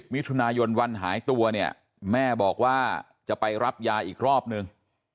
มิถุนายนวันหายตัวเนี่ยแม่บอกว่าจะไปรับยาอีกรอบนึง